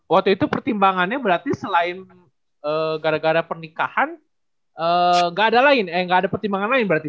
waktu itu pertimbangannya berarti selain gara gara pernikahan gak ada lain eh gak ada pertimbangan lain berarti